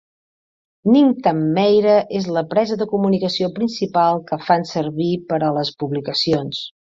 Ningtam Meira és la presa de comunicació principal que fan servir per a les publicacions.